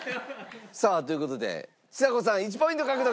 さあという事でちさ子さん１ポイント獲得！